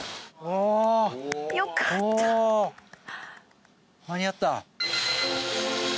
おお間に合った。